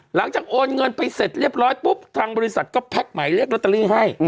หลังจากโอนเงินไปเสร็จเรียบร้อยปุ๊บทางบริษัทก็แพ็คใหม่เรียกร็อตเตอรี่ให้